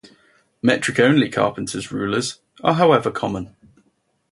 Metric only carpenter's rulers are however common.